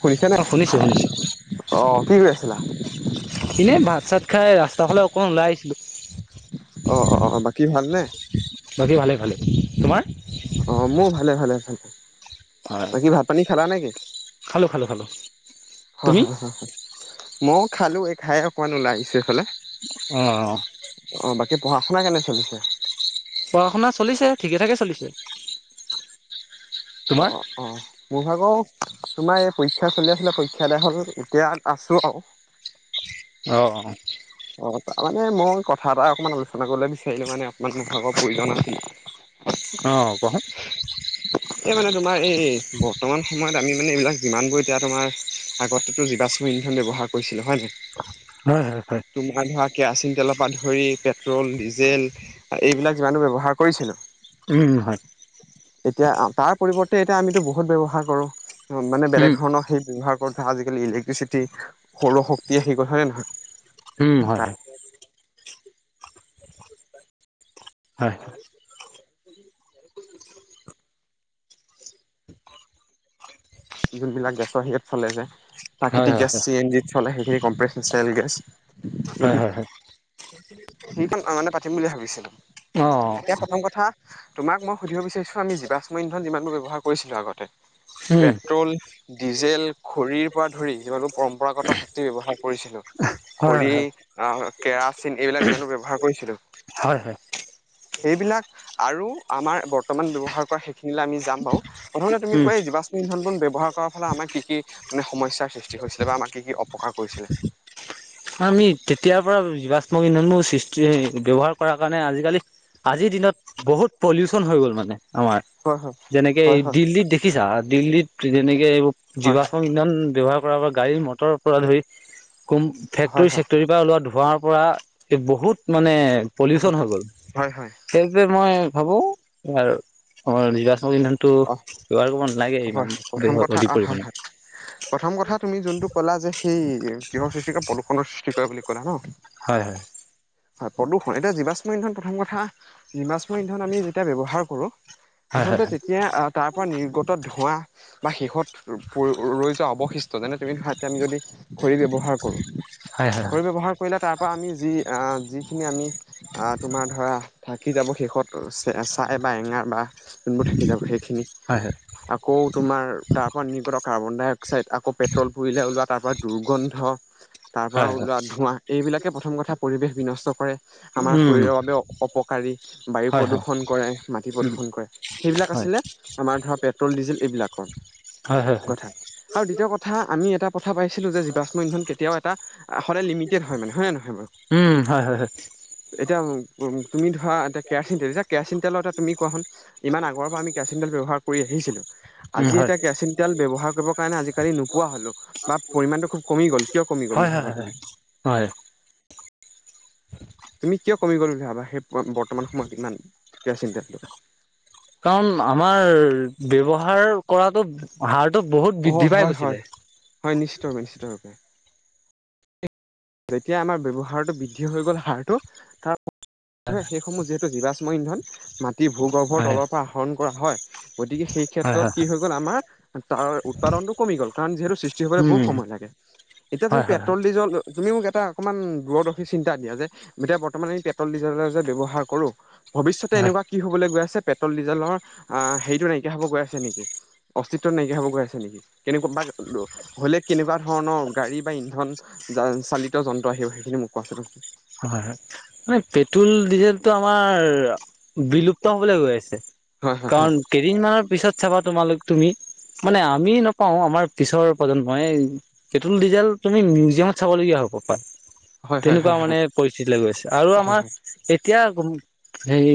শুনিছেনে? অ', শুনিছো শুনিছো অ, কি কৰি আছিলা? এনে ভাত চাত খাই ৰাস্তা ফালে অকমান ওলাই আহিছিলোঁ অ অ অ বাকী ভাল নে বাকী ভালে ভালে। তোমাৰ? অ', মোৰ ভালে ভালে ভালে। বাকী ভাত-পানী খালা নেকি? খালো খালো খালো তুমি? হয়, হয়, হয়, হয়। মইও খালোঁ, এই খাই অকণমান ওলাই আহিছোঁ এইফালে। অ' বা কি পঢ়া শুনা কেনে চলিছে? পঢ়া-শুনা চলিছে, ঠিকে-থাকে চলিছে। অ' তোমাৰ? অ', অহ, মোৰ ভাগৰ তোমাৰ এই পৰীক্ষা চলি আছিলে, পৰীক্ষা আদায় হ'ল, এতিয়া আছোঁ আৰু। অ', অ'। অহ, তাৰমানে মই কথা এটা অকণমান আলোচনা কৰিবলৈ বিচাৰিলোঁ মানে অকমান মোৰ ভাগৰ প্ৰয়োজন আছিল। অহ, কোৱা চোন। এই মানে তোমাৰ এই ব- বৰ্তমান সময়ত আমি, মানে এইবিলাক যিমানবোৰ এতিয়া তোমাৰ, আগতেতো জীৱাশ্ম ইন্ধন ব্যৱহাৰ কৰিছিলোঁ, হয় নে? হয় হয় হয়। কেৰাচিন তেলৰ পৰা ধৰি পেট্ৰ'ল, ডিজেল আ' এইবিলাক যিমানটো ব্যৱহাৰ কৰিছিলোঁ। উম, হয়। এতিয়া আ তাৰ পৰিৱৰ্তে এতিয়া আমিতো বহুত ব্যৱহাৰ কৰোঁ। অ', মানে বেলেগ উম ধৰণৰ সেই ব্যৱহাৰ ৰক ধৰা আজিকালি ইলেক্ট্ৰিচিটি, সৌৰ শক্তি আহি গ'ল, হয় নে নহয়? উম, হয়, তাত হয়। হয়, হয়। যোনবিলাক গেছৰ হেৰিয়ত চলে যে। হয় প্ৰাকৃতিক হয় গেছ চি এন জিত চলে। সেইখিনি কম্প্ৰেস্ক এস্কচেল গেছ। হয়, হয়, হয়। সেইটো অ' মানে পাতিম বুলি ভাবিছিলোঁ। অ', এতিয়া প্ৰথম কথা, তোমাক মই সুধিব বিচাৰিছোঁ, আমি জীৱাশ্ম ইন্ধন যিমানবোৰ ব্যৱহাৰ কৰিছিলোঁ আগতে- উম পেট্ৰ'ল ডিজেল, খৰিৰ পৰা ধৰি, যিমানোৰ পৰম্পৰাগত শক্তি ব্যৱহাৰ কৰিছিলোঁ- হয় খৰি হয় আ' কেৰাচিন, এইবিলাক জিমানো ব্যৱহাৰ কৰিছিলোঁ- হয় হয় হয় সেইবিলাক আৰু আমাৰ বৰ্তমান ব্যৱহাৰ কৰা সেইখিনিলে আমি যাম বাৰু। প্ৰথমতে তুমি উম কোৱা, এই জীৱাশ্ম ইন্ধনবোন ব্য- ৱ্যৱহাৰ কৰাৰ ফালৰ পৰা আমাৰ কি কি মানে, সমস্যাৰ সৃষ্টি হৈছিলে বা আমাক কি কি অপকাৰ কৰিছিলে? আমি তেতিয়াৰপৰা জীৱাশ্ম ইন্ধনবোৰ সৃষ্টি, ব্যৱহাৰ কৰাৰ কাৰণে আজিকালি- আজিৰ দিনত বহুত পলিউচন হৈ গ'ল মানে। আমাৰ। হয় যেনেকে এই হয় হয় দিল্লীত দেখিছা? দিল্লীত যেনে- কে এইবোৰ হয় জীৱাশ্ম ইন্ধন ব্যৱহাৰ কৰা বা গাড়ী মটৰৰ পৰা ধৰি কম হয় হয় ফেক্টৰীচেক্টৰীৰ পৰা ওলোৱা ধোঁৱৰ পৰা এই বহুত মানে প্ৰদূষণ হৈ গ'ল। হয় হয় হয় সেইটোৱে মই ভাবোঁ, ইয়াৰ অ' জীৱাশ্ম- ইন্ধনটো অ ব্যৱহাৰ কৰিব নালাগে হয় ইমান হয় প্ৰথম দেশত কথা অ অধিক হয় পৰিমাণে। হয় প্ৰথম কথা তুমি যোনটো ক'লা যে সেই কিহৰ সৃষ্টি কৰে প্ৰদূষণৰ সৃষ্টি কৰে বুলি ক'লা ন? হয়, হয়। হয় প্ৰদূষণ। এতিয়া জীৱাশ্ম ইন্ধন প্ৰথম কথা, জীৱাশ্ম ইন্ধন আমি যেতিয়া ব্যৱহাৰ কৰোঁ। হয় হয় হয়। এতিয়া তাৰ পৰা নিৰ্গত ধোঁৱা- বা শেষত ৰ, প, ৰৈ যোৱা অৱশিষ্ট। যেনে তুমি ধৰা এতিয়া আমি যদি- খৰি ব্যৱহাৰ কৰোঁ, হয় হয় খৰি ব্যৱহাৰ কৰিলে তাৰ পৰা আমি যি- আ যিখিনি আমি আ তোমাৰ ধৰা থাকি যাব শেষত অ' ছে-ছাই বা এঙাৰ বা কি যাব সেইখিনি। হয় হয় আকৌ তোমাৰ তাৰ পৰা নিৰ্গত কাৰ্বন- ডাইঅক্সাইড, আকৌ পেট্ৰ'ল পুৰিলে ওলোৱা তাৰ পৰা দুৰ্গন্ধ। তাৰ পৰা হয় হয় হয় ওলোৱা ধোঁৱা। এইবিলাকে প্ৰথম কথা পৰিৱেশ বিনষ্ট কৰে। আমাৰ উম শৰীৰৰ বাবে অ' অপকাৰী। বায়ু হয় হয় প্ৰদূষণ কৰে মাটি উম প্ৰদূষণ কৰে। সেইবিলাক হয় আছিলে আমাৰ ধৰা পেট্ৰ'ল, ডিজেল এইবিলাকৰ হয় হয় হয় কথা আৰু দ্বিতীয় কথা আমি এটা থা পাইছিলো যে জীৱাশ্ম ইন্ধন কেতিয়াও এটা সদায় লিমিটেড হয় মানে হয় ন নে নহয় বাৰু উম হয় হয় হয় এতিয়া তুমি ধৰা এতিয়া কেৰাচিন তেল এতিয়া কেৰাচিন তেলৰ এটা তুমি কোৱা হন ইমান আগৰ পৰা আমি কেৰাচিনতেল ব্যৱহাৰ কৰি আহিছিলোঁ উম আজি হয় এতিয়া কেৰাচিন তেল ব্যৱহাৰ কৰিব কাৰণে আজিকালি নোপোৱা হলো বা পৰিমানটো খুব কমি গ'ল কিয় কমি গ'ল হয় বুলি হয় ভাবা তুমি? হয় হয়। তুমি কিয় কমি গ'ল বুলি ভাবা সেই বৰ্তমান সময়ত ইমান কেৰাচিনতেলটো? কাৰণ আমাৰ ব্যৱহাৰ কৰাটো হাৰ টো বহুত অ বৃদ্ধি পাই হয় হয় গৈছিলে। হয় নিশ্চিতভাৱে নিশ্চিতভাৱে যেতিয়া আমাৰ ব্যৱহাৰটো বৃদ্ধি হৈ গ'ল হাৰটো তাৰ [unintelligible] সেইসমূহ যিহেতু জীৱাশ্ম ইন্ধন মাটিৰ ভূগৰ্ভৰ হয় তলৰ পৰা আহৰণ কৰা হয় গতিকে সেই হয় ক্ষেত্ৰত হয় কি হৈ গ'ল আমাৰ তাৰ উৎপাদনটো কমি গ'ল কাৰণ যিহেতু সৃষ্টি হবলৈ উম বহুত সময় লাগে এতিয়া তুমি হয় হয় হয় পেট্ৰল, ডিজেল তুমি মোক এটা অকমান দূৰদৰ্শী চিন্তা দিয়া যে এতিয়া বৰ্তমান আমি পেট্ৰল-ডিজেলৰ যে ব্যৱহাৰ কৰো ভৱিষ্যতে হয় এনেকুৱা কি হবলৈ গৈ আছে পেট্ৰল- ডিজেলৰ আহ হেৰিটো নাইকিয়া হ'ব গৈ আছে নেকি? অস্তিত্ব নাইকিয়া হ'ব গৈ আছে নেকি কেনে [unintelligible] হ'লে কেনেকুৱা ধৰণৰ গাড়ী বা ইন্ধন যান চালিত যন্ত্ৰ আহিব সেইখিনি মোক কোৱাচোন? হয়-হয় মানে পেট্ৰল- ডিজেলটো আমাৰ বিলুপ্ত হবলৈ গৈ আছে। হয় হয় কাৰণ কেইদিনমানৰ পিছত চাবা তোমালোক তুমি মানে আমি নকও আমাৰ পিছৰ প্ৰজন্মই পেট্ৰল -ডিজেল তুমি মিউজিয়ামত চাবলগীয়া হ হ'ব পায় হয়-হয়- হয়- তেনেকুৱা হয় মানে পৰিস্থিতিলৈ গৈছে আৰু হয় আমাৰ এতিয়া সেই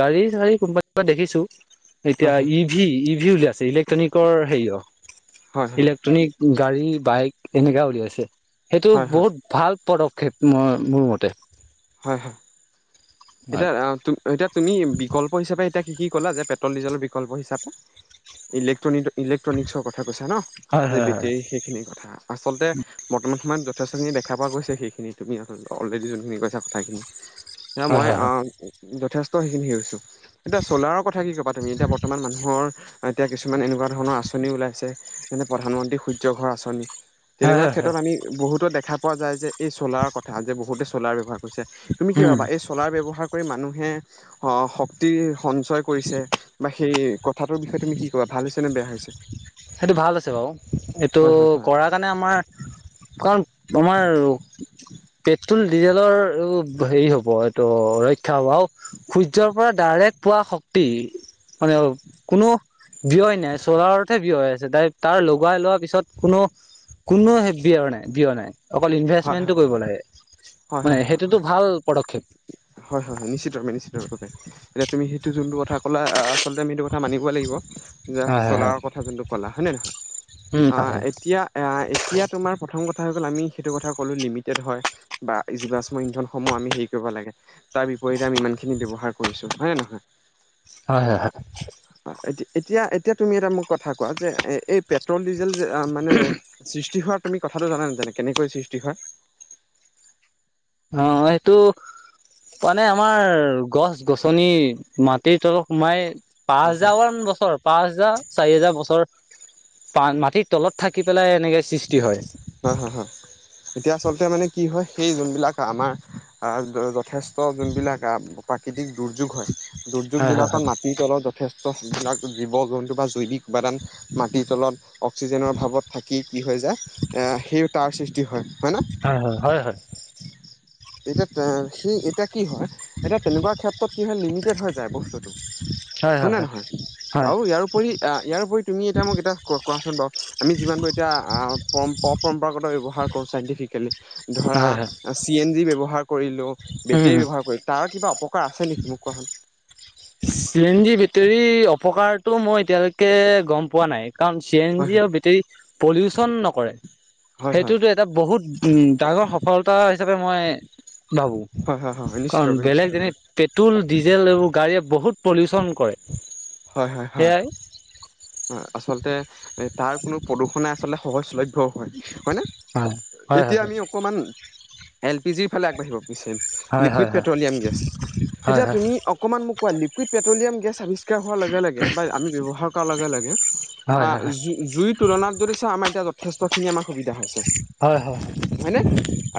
গাড়ী-চাড়ী [unintelligible] দেখিছোঁ। হয় এতিয়া হয় ই ভি ই ভি উলিয়াইছে ইলেক্ট্ৰনিকৰ হেৰি অ হয় হয় হয় ইলেক্ট্ৰ'নিক গাড়ী বাইক এনেকা উলিয়াইছে, সেইটো হয় হয় বহুত ভাল পদক্ষেপ মই মোৰ মতে হয়, হয়। এতিয়া হয় আ এতিয়া তুমি বিকল্প হিচাপে এতিয়া [unintelligible] ক'লা যে পেট্ৰল ডিজেলৰ বিকল্প হিচাপে ইলেক্ট্ৰ'নিক ইলেক্ট্ৰ'নিকছৰ কথা কৈছা ন' হয় যে হয় বেটেৰী হয় সেইখিনিৰ কথা আচলতে বৰ্তমান সময়ত যথেষ্টখিনি দেখা পোৱা গৈছে, সেইখিনি তুমি অলৰেডি যোনখিনি কৈছা কথাখিনি। আ মই আ যথেষ্ট সেইখিনি [unintelligible] এতিয়া চ'লাৰৰ কথা কি ক'বা তুমি? এতিয়া বৰ্তমান মানুহৰ এতিয়া কিছুমান এনেকুৱা ধৰণৰ আঁচনি ওলাইছে। যেনে প্ৰধানমন্ত্ৰী সূৰ্য ঘৰ আঁচনি। হয় তেনেকুৱা হয় হয় ক্ষেত্ৰত আমি বহুতো দেখা পোৱা যায় যে, এই চ'লাৰৰ কথা যে বহুতে চ'লাৰ ব্যৱহাৰ তুমি কি উম ভাবা এই চ'লাৰ ব্য মানুহে অ শক্তি সঞ্চয় কৰিছে বা সেই কথাটোৰ বিষয়ে তুমি কি ক ভাল হৈছে নে বেয়া হৈছে? সেইটো ভাল আছে বাৰু এইটো হয় হয় হয় কৰাৰ কাৰণে আমাৰ কাৰণ তোমাৰ [unintelligible] পেট্ৰো'ল ডিজেলৰ আৰু হেৰি হ'ব এইটো ৰক্ষা হ'ব আৰু সূৰ্যৰ পৰা ডাইৰেক্ট পোৱা শক্তি মানে কোনো ব্যয় নাই। চ'লাৰ তে ব্যয় হৈ আছে। তাই তাৰ লগাই লোৱাৰ পিছত কোনো কোনো হে বিয়ৰ নাই ব্যয় নাই অকল ইনভেষ্টমেণ্টটো কৰিব লাগে। হয়, মানে হয়, হয়, সেইটোতো হয়, ভাল পদক্ষেপ হয়, হয়, হয় নিশ্চিত [unintelligible] নিশ্চিত [unintelligible] তুমি সেইটো যোনটো কথা ক'ল আ আ আছ আচলতে আমি এইটো কথা মানিব লাগিব যে চলাৰৰ কথা যোনটো কলা হয় নে নে নহয় উম আ হয় এতিয়া, আ এতিয়া তোমাৰ প্ৰথম কথা হৈ গ'ল, আমি সেইটো কথা কলো লিমিটেড হয়। বা জীৱাশ্ম ইন্ধনসমূহ আমি হেৰি কৰিব লাগে তাৰ বিপৰীতে আমি ইমানখিনি ব্যৱহাৰ কৰিছো হয়নে নহয়? হয়-হয়-হয়। অ' এ এতিয়া এতিয়া তুমি এটা মোক কথা কোৱা যে এই এই পেট্ৰল ডিজেল মানে সৃষ্টি হোৱাৰ তুমি কথাটো জানা নেজানা। কেনেকৈ সৃষ্টি হয়। অ' সেইটো মানে আমাৰ গছ-গছনি মাত তে তলত সোমাই পাঁচ হয় হয় হোজাৰ মান বছৰ, পাঁচ হোজাৰ, চাৰি হোজাৰ বছৰ। মাটিৰ তলত থাকি পেলাই এনেকে সৃষ্টি হয় হা-হা-হা এতিয়া আচলতে মানে কি হয়। সেই যোনবিলাক আমাৰ যথেষ্ট যোনবিলাক প্ৰাকৃতিক। দুৰ্যোগ হয় দুৰ্যোগ হয় হয় বিলাকৰ মাটিত। যথেষ্ট বিলাক জীৱ-জন্তু বা জৈৱিক উপাদান মাটিৰ তলত অক্সিজেনৰ অভাৱত থাকি কি হৈ যায়, সেই তাৰ সৃষ্টি হয় হয় ন'। হয় হয়। এতিয়া সি কি হয় এতিয়া তেনেকুৱা ক্ষেত্ৰত কি হয় লিমিটেড হৈ যায় বস্তুটো। হয় নে নহয় হয় আৰু ইয়াৰো উপৰি ইয়াৰপৰি তুমি এতিয়া মোক এতিয়া কোৱাচোন বাৰু আমি যিমান পাৰ। এতিয়া পৰম্পৰা-পৰম্পৰাগত। ব্যবহাৰ কৰো চাইণ্টিফিকেলি ধৰা হয় হয় চি এন জি ব্যবহাৰ। কৰিলো উম বেটেৰী ব্যৱহাৰ কৰিলো। তাৰ কিবা অপকাৰ আছে নেকি মোক কোৱাচোন? চি এন জি বেটৰী অপকাৰতটো মই এতিয়ালৈকে গম পোৱা নাই। কাৰণ চি এন হয় জি আৰু বেটেৰী পলিউচন নকৰে। হয় হয় হয় সেইটোতো এটা বহুত উ ডাঙৰ সফলতা হিচাপে মই ভাবো হয় হয় হয় হয় নিশ্চিত কাৰণ ৰূপে নিশ্চিত বেলেগ যেনে ৰূপে পেট্ৰল, ডিজেল এইবোৰ গাড়ীয়ে বহুত পলিউচন কৰে। হয়-হয়-হয় সেয়াই আচলতে তাৰ কোনো প্ৰদু আচলতে সহজলভ্য হয়-হয় হয় ন হয় হয় এতিয়া আমি অকমান এল পি জিৰ ফালে আগবাঢ়িব বিচাৰিম। হয় লিকুইড হয় হয় পেট্ৰলিয়াম গেছ হয় তেতিয়া তুমি অকণমান মোক কোৱা লিকুইড পেট্ৰলিয়াম গেছ আৱিষ্কাৰ হোৱাৰ লগে লগে বা আমি ব্যৱহাৰ কৰাৰ লগে লগে। হয় হয় হয় জুইৰ তুলনাত যদি চা আমাৰ এতিয়া যথেষ্ট খিনি আমাৰ সুবিধা হৈছে। হয় হয় হয় হয় হয় নে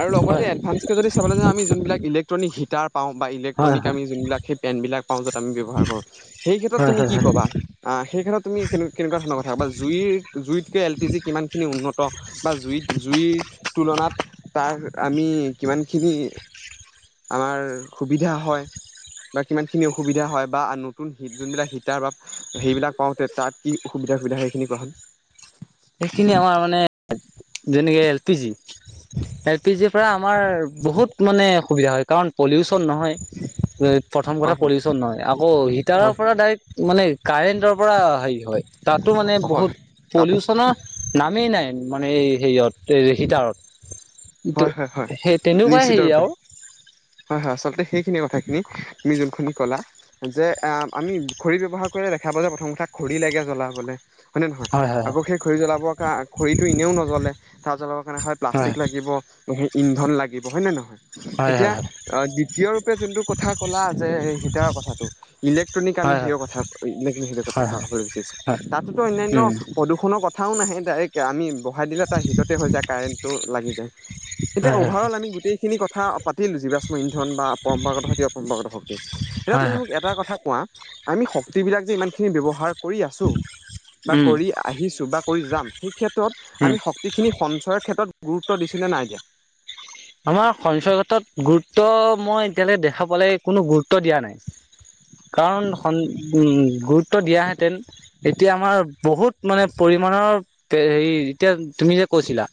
আৰু লগতে হয় এডভান্স কে যদি চাবলৈ যাম আমি যোনবিলাক ইলেক্ট্ৰনিক হিটাৰ পাওঁ বা হয় ইলেট্ৰনিক আমি যোনবিলাক সেই পেনবিলাক পাও, য'ত আমি ব্যৱহাৰ কৰো সেই ক্ষেত্ৰত তুমি হয় কি হয় কবা? সেই ক্ষেত্ৰত তুমি কেনে কেনেকুৱা ধৰণৰ কথা ক'ব বা জুইৰ জুইতকৈ এল পি জি কিমানখিনি উন্নত বা জুইত জুইৰ তুলনাত তাৰ আমি কিমানখিনি। আমাৰ সুবিধা হয়। বা কিমান খিনি অসুবিধা হয় বা নতুন যোনবিলাক হিতাৰ বা সেইবিলাক পাওঁতে তাত কি অসুবিধা। সুবিধা সেইখিনি কোৱা হ'ল। সেইখিনি আমাৰ মানে যেনেকে L P G L P জিৰ পৰা। আমাৰ বহুত মানে অসুবিধা হয় কাৰণ পলিউচন নহয় প্ৰথম কথা হয় হয় পলিউচন নহয় আকৌ হিটাৰৰ হয় পৰা ডাইৰেক্ট মানে। কাৰেণ্টৰ পৰা হেৰি হয় তাতো মানে হয় বহুত তাপ পলিউচনৰ নামেই নাই। মানে হেৰিয়ত এই হিতাৰত। হয়-হয়-হয় নিশ্চিত ৰূপে আৰু হয়-হয় আচলতে সেই সেই কথাখিনি তুমি যোন খিনি ক'লা যে আমি খৰি ব্যৱহাৰ কৰিলে দেখা পালে প্ৰথম কথা খৰি ফ্ৰি লেকে চলা বোলে। হয়নে নহয় হয় হয় আকৌ সেই খৰি জ্বলাবৰ কাৰ খৰিটো এনেও নজ্বলে তাত জ্বলাবৰ কাৰণে হয় প্লাষ্টিক লাগিব। সেই ইন্ধন লাগিব হয়নে নহয়। হয় এতিয়া হয় দ্বিতীয় ৰূপে যোনটো কথা ক'লা যে হিটাৰৰ কথাটো ইলেক্ট্ৰনিক কাপ হয় আ কথা হয় হয় হয় কথা হয় ক'বলৈ বিচাৰিছো তাতোতো অন্যান্য উম প্ৰদূষণৰ কথাও নাহে। ডাইৰেক্ট আমি বহাই দিলে তাৰ হিটতে হৈ যায়, কাৰেণ্টটো লাগি যায়। এতিয়া হয় অভাৰ হয় অল আমি গোটেইখিনি কথা পাতিলো জীৱাশ্ম ইন্ধন বা পৰম্পৰাগত শক্তি অপৰম্পৰাগত শক্তি। এতিয়া হয় তুমি হয় মোক এটা কথা কোৱা আমি শক্তি বিলাক যে ইমান খিনি ব্যৱহাৰ কৰি আছো। বা উম কৰি আহিছো বা কৰি যাম সেই ক্ষেত্ৰত উম আমি শক্তিখিনি সঞ্চয়ৰ ক্ষেত্ৰত গুৰুত্ব ত দিছোনে নাই দিয়া। আমাৰ এতিয়ালে দেখা পোৱালে কোনো গুৰুত্ব দিয়া নাই। কাৰণ [unintelligible] গুৰুত্ব দিয়াহেঁতেন এতিয়া আমাৰ বহুত মানে পৰিমাণৰ হেৰি এতিয়া তুমি যে কৈছিলা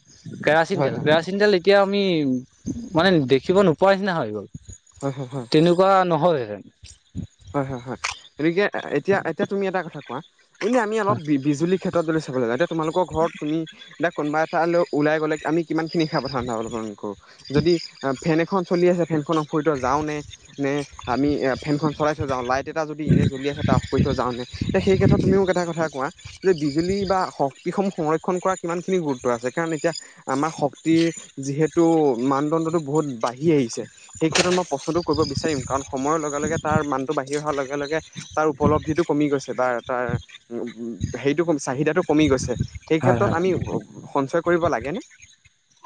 কেৰাচিন হয় তেল হয় কেৰাচিন তেল এতিয়া আমি মানে দেখিব নোপোৱাৰ নিচিনা হৈ গ'ল হয় হয় হয়। তেনেকুৱা নহ'হেতেন হয়, হয়, হয়, গতিকে এতিয়া, এতিয়া তুমি এটা কথা কোৱা, এনে আমি অলপ হয় বি-বিজুলী ক্ষে তত গ'লে চাব লাগে এতিয়া তোমালোক ঘৰত তুমি দে কোনোবা এটা লৈ ওলাই গ'লে আমি কিমানখিনি সাৱধানতা অৱলম্বন কৰো। যদি ফেন এখন চলি আছে ফেনখনৰ ফেনখন অফ কৰি থৈ যাওঁ নে, নে আমি ফেনখন চলাই থৈ যাওঁ, লাইট তেটা যদি এনে জ্বলি আহে টা অফ কৰি থৈ যাওঁ নে তে সেই কেতত তুমিও এটা কথা কোৱা যে বিজুলী বা শক্তিসমূহ সংৰক্ষণ কৰা কিমান খিনি গুৰুত্ব আছে কাৰণ এতিয়া আমাৰ শক্তিৰ যিহেতু মানদণ্ডটো বহুত বাঢ়ি আহিছে। সেই ক্ষেত্ৰত মই প্ৰশ্নটো কৰিব বিচাৰিম কাৰণ সময়ৰ লগে লগে তাৰ মানটো বাঢ়িৰ অহাৰ লগে লগে তাৰ উপলব্ধিটো কমি গৈছে বা তাৰ উ হেৰিতটো কমিছ চাহিদাটো কমি গৈছে, সেই ক্ষেত্ৰত হয় আমি সঞ্চয় কৰিব লাগেনে?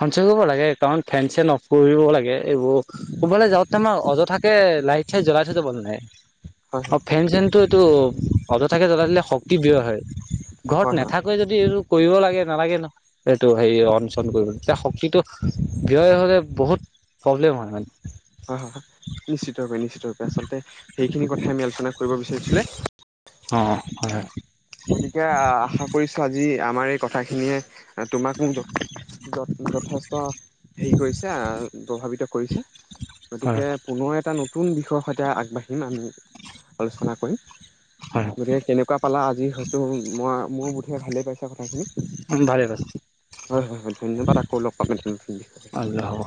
সঞ্চয় কৰিব লাগে কাৰণ, ফেন, চেন অফ কৰিব লাগে। এইবোৰ কোনবালে যাওঁ তোমাৰ অযথাকে লাইট চাইট জ্বলাই থব নালাগে। হয় অ ফেন চেনটো এইটো অযথাকে জ্বলাই দিলে শক্তি ব্যয় হয় ঘৰত হয় হয় হয় নাথাকই যদি ইটো কৰিব লাগে নালাগে ন। সেইটো হেৰি অন চন কৰিব তেতিয়া শক্তিটো ব্যয় হ'লে বহুত প্ৰব্লেম হয় মান হয় হয় হয় নিশ্চিতৰূপে আচলতে সেইখিনি কথা আমি আলোচনা কৰিব বিচাৰিছিলে অ হয় হয়। গতিকে আশা কৰিছোঁ আজি আমাৰ এই কথাখিনিয়ে তোমাক মোক যথেষ্ট হেৰি কৰিছে প্ৰভাৱিত কৰিছে হয় গতিকে পুনৰ এটা ন নতুন বিষয়ৰ সৈতে আগবাঢ়িম আমি আলোচনা কৰিম। হয় গতিকে কেনেকুৱা পালা আজি হয়তো মই মোৰ বোধেৰে ভালেই পাইছা কথাখিনি। হয় ভালে পাইছোঁ হয় হয় হয় ধন্যবাদ আকৌ লগ পাম এদিন হ'ব